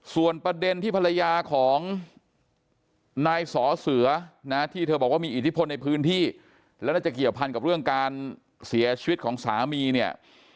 ส่วนประเด็นที่ภรรยาของนายสอเสือนะที่เธอบอกว่ามีอิทธิพลในพื้นที่และน่าจะเกี่ยวพันกับเรื่องการเสียชีวิตของสามีเนี่ย